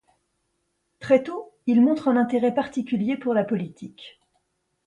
Très tôt, il montre un intérêt particulier pour la politique.